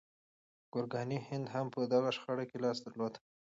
ګورګاني هند هم په دغه شخړه کې لاس درلود.